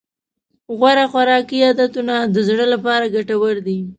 غوره خوراکي عادتونه د زړه لپاره ګټور دي.